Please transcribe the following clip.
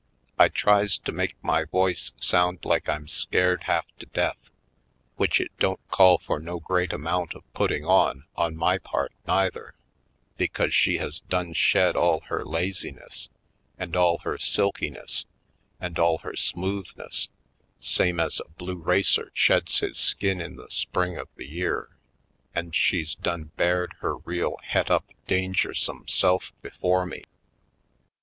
I tries to make my voice sound like I'm scared half to death, which it don't call for no great amount of putting on on my part neither, because she has done shed all her laziness and all her silkiness and all her smoothness same as a blue racer sheds his skin in the spring of the year, and she's done bared her real het up dangersome self before me.